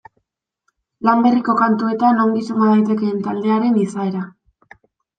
Lan berriko kantuetan ongi suma daiteke taldearen izaera.